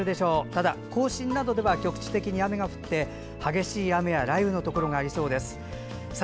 ただ、甲信などでは局地的に雨が降って激しい雨や雷雨になるところがありそうです。